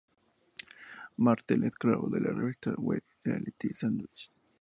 Martel es colaborador de la revista web "Reality Sandwich".